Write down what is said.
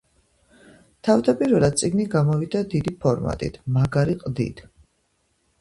თავდაპირველად წიგნი გამოვიდა დიდი ფორმატით, მაგარი ყდით.